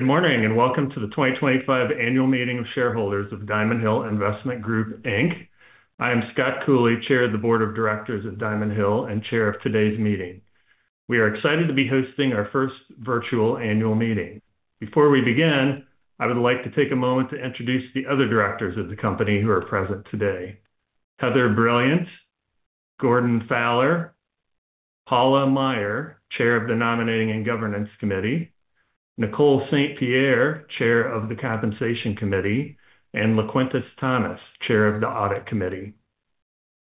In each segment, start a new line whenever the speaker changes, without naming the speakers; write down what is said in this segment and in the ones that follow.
Good morning and welcome to the 2025 Annual Meeting of Shareholders of Diamond Hill Investment Group Inc. I am Scott Cooley, Chair of the Board of Directors at Diamond Hill and Chair of today's meeting. We are excited to be hosting our first virtual annual meeting. Before we begin, I would like to take a moment to introduce the other directors of the company who are present today: Heather Brilliant, Gordon Fowler, Paula Meyer, Chair of the Nominating and Governance Committee, Nicole St. Pierre, Chair of the Compensation Committee, and L'Quentus Thomas, Chair of the Audit Committee.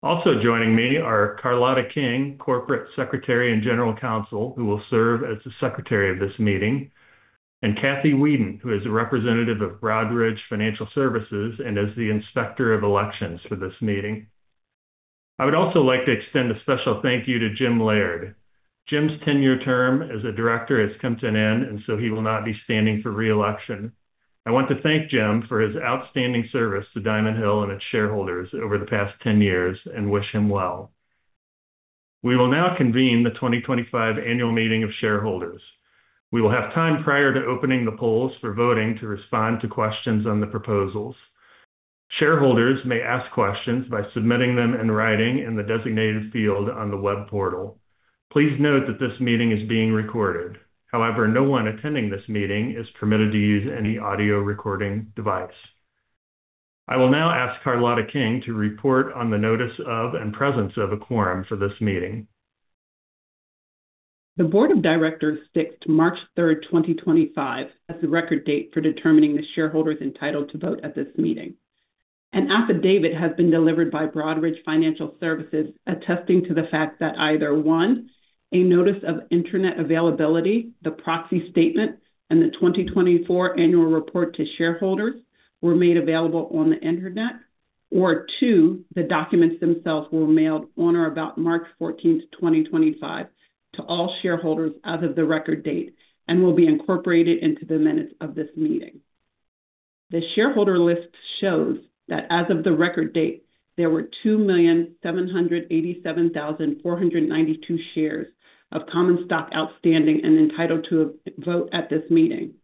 Also joining me are Carlotta King, Corporate Secretary and General Counsel, who will serve as the Secretary of this meeting, and Kathy Wheaton, who is a representative of Broadridge Financial Services and is the Inspector of Elections for this meeting. I would also like to extend a special thank you to Jim Laird. Jim's tenure term as a director has come to an end, and so he will not be standing for reelection. I want to thank Jim for his outstanding service to Diamond Hill and its shareholders over the past 10 years and wish him well. We will now convene the 2025 Annual Meeting of Shareholders. We will have time prior to opening the polls for voting to respond to questions on the proposals. Shareholders may ask questions by submitting them in writing in the designated field on the web portal. Please note that this meeting is being recorded. However, no one attending this meeting is permitted to use any audio recording device. I will now ask Carlotta King to report on the notice of and presence of a quorum for this meeting.
The Board of Directors fixed March 3, 2025, as the record date for determining the shareholders entitled to vote at this meeting. An affidavit has been delivered by Broadridge Financial Services attesting to the fact that either, one, a notice of internet availability, the proxy statement, and the 2024 Annual Report to Shareholders were made available on the internet, or, two, the documents themselves were mailed on or about March 14th, 2025, to all shareholders as of the record date and will be incorporated into the minutes of this meeting. The shareholder list shows that as of the record date, there were 2,787,492 shares of common stock outstanding and entitled to vote at this meeting.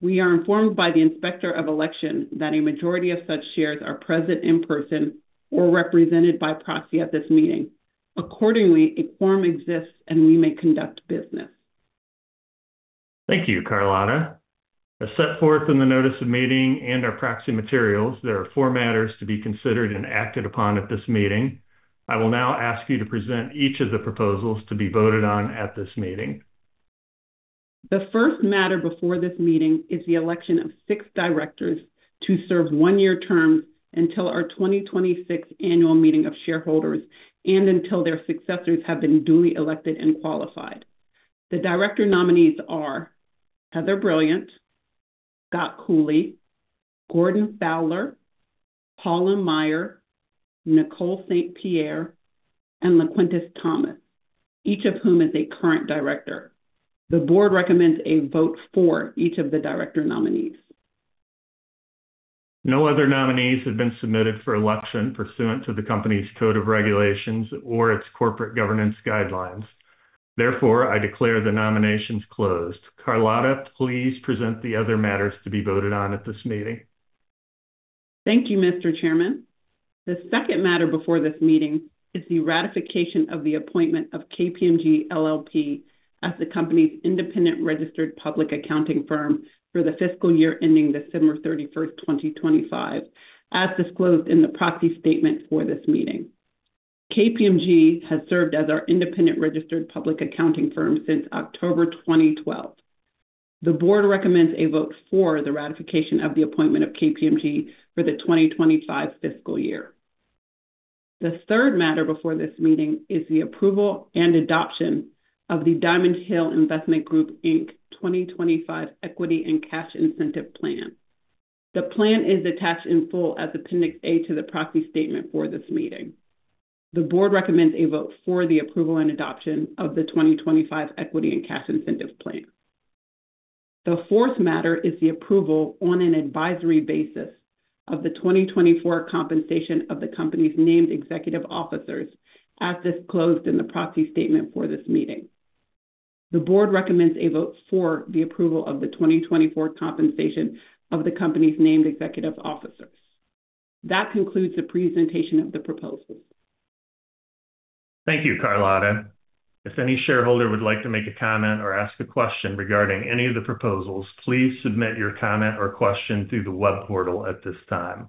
We are informed by the Inspector of Election that a majority of such shares are present in person or represented by proxy at this meeting. Accordingly, a quorum exists and we may conduct business.
Thank you, Carlotta. As set forth in the notice of meeting and our proxy materials, there are four matters to be considered and acted upon at this meeting. I will now ask you to present each of the proposals to be voted on at this meeting.
The first matter before this meeting is the election of six directors to serve one-year terms until our 2026 Annual Meeting of Shareholders and until their successors have been duly elected and qualified. The director nominees are Heather Brilliant, Scott Cooley, Gordon Fowler, Paula Meyer, Nicole St. Pierre, and L'Quentus Thomas, each of whom is a current director. The board recommends a vote for each of the director nominees.
No other nominees have been submitted for election pursuant to the company's Code of Regulations or its Corporate Governance Guidelines. Therefore, I declare the nominations closed. Carlotta, please present the other matters to be voted on at this meeting.
Thank you, Mr. Chairman. The second matter before this meeting is the ratification of the appointment of KPMG LLP as the company's independent registered public accounting firm for the fiscal year ending December 31, 2025, as disclosed in the proxy statement for this meeting. KPMG has served as our independent registered public accounting firm since October 2012. The board recommends a vote for the ratification of the appointment of KPMG for the 2025 fiscal year. The third matter before this meeting is the approval and adoption of the Diamond Hill Investment Group Inc 2025 Equity and Cash Incentive Plan. The plan is attached in full as Appendix A to the proxy statement for this meeting. The board recommends a vote for the approval and adoption of the 2025 Equity and Cash Incentive Plan. The fourth matter is the approval on an advisory basis of the 2024 compensation of the company's named executive officers, as disclosed in the proxy statement for this meeting. The board recommends a vote for the approval of the 2024 compensation of the company's named executive officers. That concludes the presentation of the proposals.
Thank you, Carlotta. If any shareholder would like to make a comment or ask a question regarding any of the proposals, please submit your comment or question through the web portal at this time.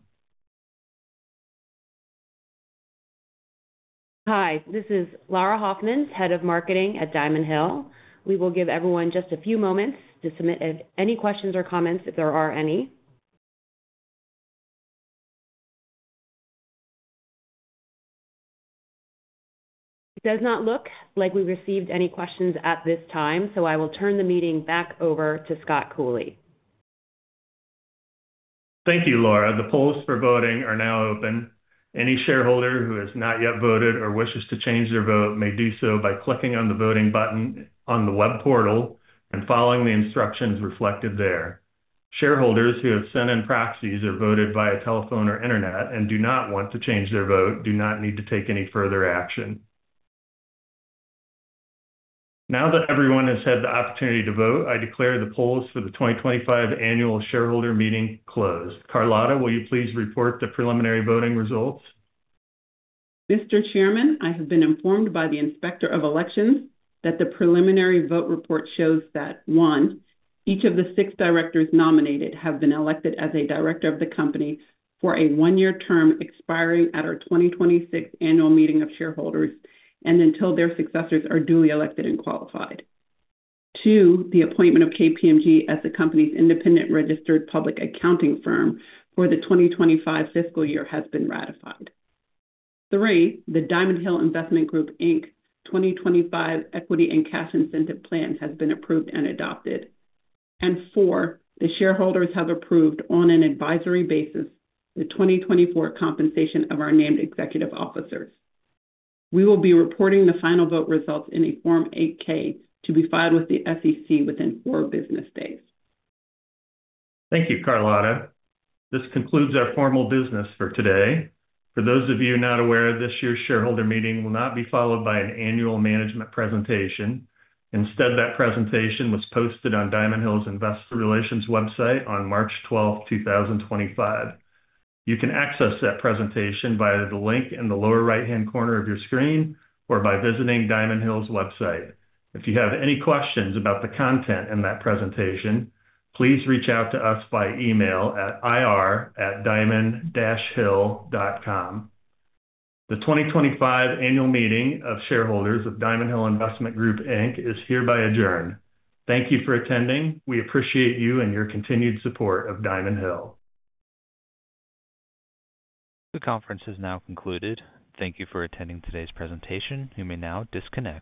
Hi, this is Lara Hoffmans, Head of Marketing at Diamond Hill. We will give everyone just a few moments to submit any questions or comments if there are any. It does not look like we received any questions at this time, so I will turn the meeting back over to Scott Cooley.
Thank you, Lara. The polls for voting are now open. Any shareholder who has not yet voted or wishes to change their vote may do so by clicking on the voting button on the web portal and following the instructions reflected there. Shareholders who have sent in proxies or voted via telephone or internet and do not want to change their vote do not need to take any further action. Now that everyone has had the opportunity to vote, I declare the polls for the 2025 Annual Shareholder Meeting closed. Carlotta, will you please report the preliminary voting results?
Mr. Chairman, I have been informed by the Inspector of Elections that the preliminary vote report shows that, one, each of the six directors nominated have been elected as a director of the company for a one-year term expiring at our 2026 Annual Meeting of Shareholders and until their successors are duly elected and qualified. Two, the appointment of KPMG as the company's independent registered public accounting firm for the 2025 fiscal year has been ratified. Three, the Diamond Hill Investment Group Inc 2025 Equity and Cash Incentive Plan has been approved and adopted. Four, the shareholders have approved on an advisory basis the 2024 compensation of our named executive officers. We will be reporting the final vote results in a Form 8-K to be filed with the SEC within four business days.
Thank you, Carlotta. This concludes our formal business for today. For those of you not aware, this year's shareholder meeting will not be followed by an annual management presentation. Instead, that presentation was posted on Diamond Hill's Investor Relations website on March 12, 2025. You can access that presentation via the link in the lower right-hand corner of your screen or by visiting Diamond Hill's website. If you have any questions about the content in that presentation, please reach out to us by email at ir@diamondhill.com. The 2025 Annual Meeting of Shareholders of Diamond Hill Investment Group Inc is hereby adjourned. Thank you for attending. We appreciate you and your continued support of Diamond Hill.
The conference has now concluded. Thank you for attending today's presentation. You may now disconnect.